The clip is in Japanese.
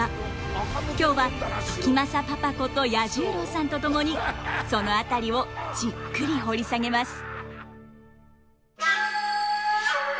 今日は時政パパこと彌十郎さんと共にその辺りをじっくり掘り下げます。